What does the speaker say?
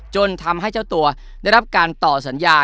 จนทำให้เจ้าตัวได้รับการต่อสัญญา